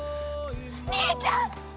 兄ちゃん！